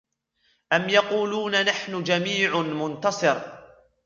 أَمْ يَقُولُونَ نَحْنُ جَمِيعٌ مُّنتَصِرٌ